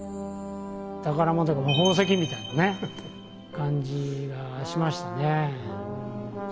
宝物というかもう宝石みたいなね感じがしましたね。